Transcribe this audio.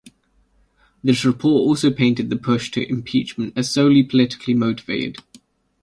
This report also painted the push to impeachment as solely politically motivated.